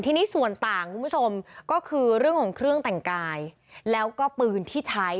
ทีนี้ส่วนต่างคุณผู้ชมก็คือเรื่องของเครื่องแต่งกายแล้วก็ปืนที่ใช้